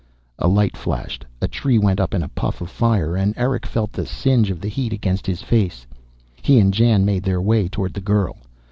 A light flashed. A tree went up in a puff of fire, and Erick felt the singe of the heat against his face. He and Jan made their way toward the girl.